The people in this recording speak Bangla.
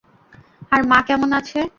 আর মা কেমন আছে?